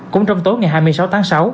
cũng trong tối ngày hai mươi sáu tháng sáu